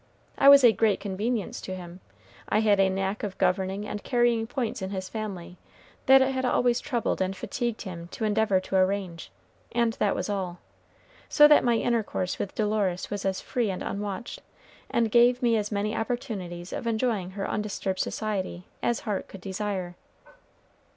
I was a great convenience to him. I had a knack of governing and carrying points in his family that it had always troubled and fatigued him to endeavor to arrange, and that was all. So that my intercourse with Dolores was as free and unwatched, and gave me as many opportunities of enjoying her undisturbed society, as heart could desire.